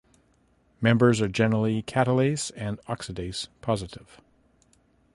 Members are generally catalase and oxidase positive.